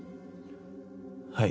はい。